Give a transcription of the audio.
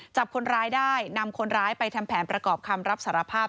จับคนร้ายได้นำคนร้ายไปทำแผนประกอบคำรับสารภาพ